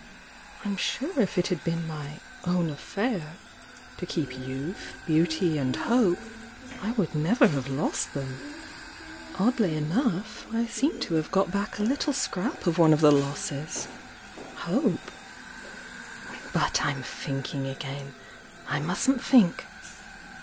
I'm sure if it had been my 'own affair' to keep youth, beauty and hope, I would never have lost them ! Oddly enough I seem to have got back a little scrap of one of the losses — hope! But I'll , thinking again — I mustn't think!"